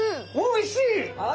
おいしい！